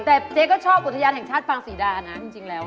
แต่เจ๊ก็ชอบอุทยานแห่งชาติฟังศรีดานะจริงแล้ว